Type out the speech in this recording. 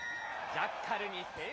ジャッカルに成功。